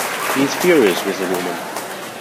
He is furious with the woman.